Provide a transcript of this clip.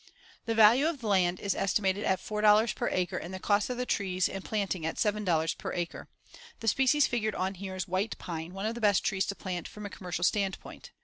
The value of the land is estimated at $4 per acre and the cost of the trees and planting at $7 per acre. The species figured on here is white pine, one of the best trees to plant from a commercial standpoint.